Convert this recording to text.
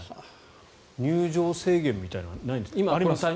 入場制限みたいなのはないんですか？